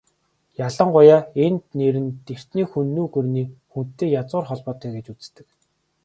Ялангуяа энэ нэр нь эртний Хүннү гүрний "Хүн"-тэй язгуур холбоотой гэж үздэг.